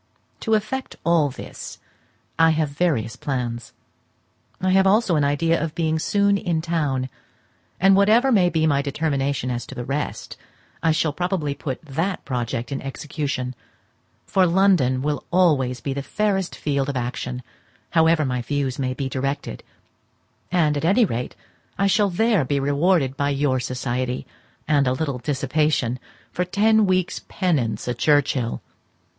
To effect all this I have various plans. I have also an idea of being soon in town; and whatever may be my determination as to the rest, I shall probably put that project in execution; for London will be always the fairest field of action, however my views may be directed; and at any rate I shall there be rewarded by your society, and a little dissipation, for a ten weeks' penance at Churchhill.